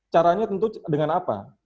caranya tentu dengan apa